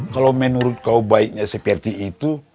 kalau menurut kau baiknya seperti itu